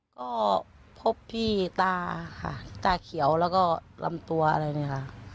ก็พบพี่ตาค่ะตาเขียวแล้วก็ลำตัวอะไรเนี่ยค่ะ